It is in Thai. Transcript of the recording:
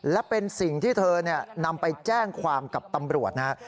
และเป็นสิ่งที่เธอนำไปแจ้งความกับตำรวจนะครับ